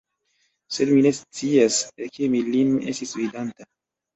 Sed mi ne scias, kie mi lin estis vidanta.